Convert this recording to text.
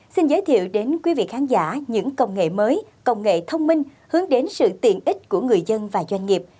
xin giới thiệu đến quý vị khán giả những công nghệ mới công nghệ thông minh hướng đến sự tiện ích của người dân và doanh nghiệp